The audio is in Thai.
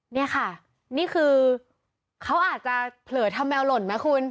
นี่ค่ะนี่คือเขาอาจจะเผลอทำแมวหล่นไหมคุณ